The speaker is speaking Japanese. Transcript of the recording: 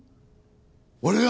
俺が？